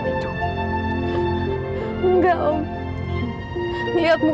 bagaimanakah hal itu